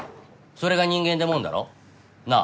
それが人間ってもんだろ？なぁ。